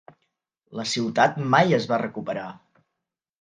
La ciutat mai es va recuperar.